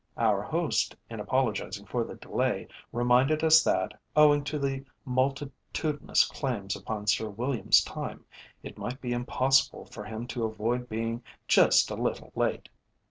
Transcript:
Our host, in apologising for the delay, reminded us that, owing to the multitudinous claims upon Sir William's time, it might be impossible for him to avoid being just a little late.